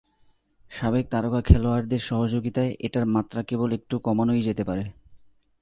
সাবেক তারকা খেলোয়াড়দের সহযোগিতায় এটার মাত্রা কেবল একটু কমানোই যেতে পারে।